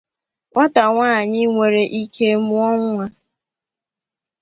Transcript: Nwata nwanyị nwere ike mụọ nwa